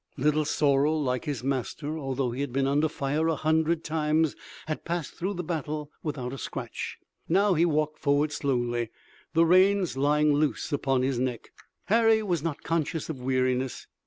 Little Sorrel like his master, although he had been under fire a hundred times, had passed through the battle without a scratch. Now he walked forward slowly, the reins lying loose upon his neck. Harry was not conscious of weariness.